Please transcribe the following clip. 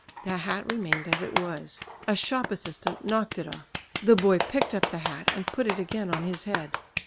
The hat remained as it was. A shop assistant knocked it off. The boy picked up the hat, and put it again on his head.